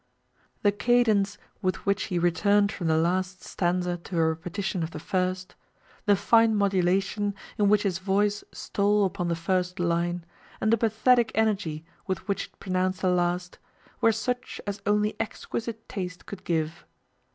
The cadence with which he returned from the last stanza to a repetition of the first; the fine modulation in which his voice stole upon the first line, and the pathetic energy with which it pronounced the last, were such as only exquisite taste could give.